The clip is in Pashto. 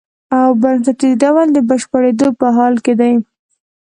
او بنسټیز ډول د بشپړېدو په حال کې دی.